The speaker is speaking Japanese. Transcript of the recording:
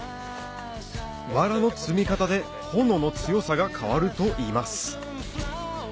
わらの積み方で炎の強さが変わるといいます